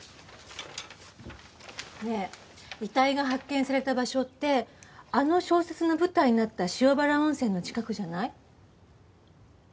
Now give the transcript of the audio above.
ねえ遺体が発見された場所ってあの小説の舞台になった塩原温泉の近くじゃない？